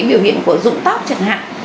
biểu hiện của rụng tóc chẳng hạn